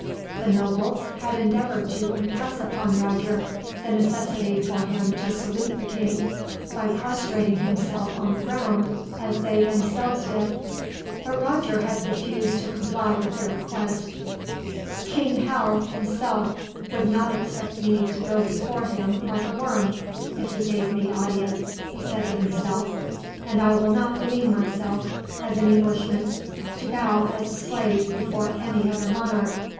The nobles had endeavored to impress upon Roger the necessity for him to salute the king, by prostrating himself on the ground as they themselves did. But Roger had refused to comply with their request. "King Hal, himself, would not expect me to go before him like a worm, if he gave me audience," he said to himself; "and I will not demean myself, as an Englishman, to bow as a slave before any other monarch.